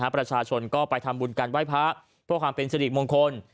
ประชาชนไปทำบุญการไว้พระเพื่อประกัดสฤษิมงคล